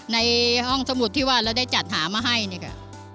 ในห้องสมุดที่ว่าเราได้จัดหามาให้นี่ก็